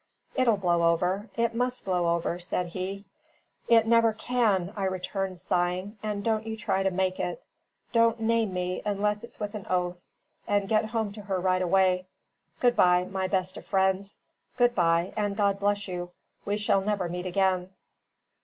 "It'll blow over; it must blow over," said he. "It never can," I returned, sighing: "and don't you try to make it! Don't name me, unless it's with an oath. And get home to her right away. Good by, my best of friends. Good by, and God bless you. We shall never meet again."